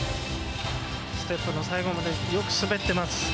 ステップの最後まで、よく滑ってます。